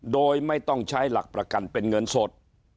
โดยไม่ต้องใช้หลักประกันเป็นเงินสด